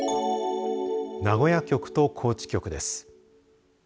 名古屋局と高知局です。